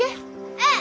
うん。